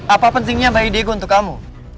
apa pentingnya bayi diego untuk kamu